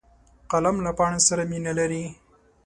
قلم له پاڼې سره مینه لري